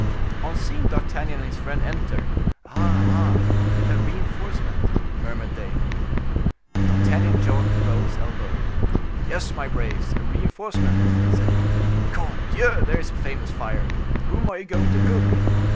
On seeing D'Artagnan and his friend enter:—"Ah! ah! a reinforcement," murmured they. D'Artagnan jogged Raoul's elbow. "Yes, my braves, a reinforcement," said he; "cordieu! there is a famous fire. Whom are you going to cook?"